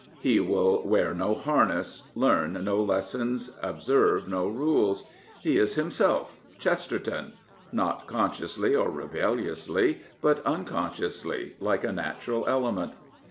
He will wear no harness, learn no lessons, observe no rules. He is himself, Chesterton — not consciously or rebelliously, but unconsciously, like a natural element.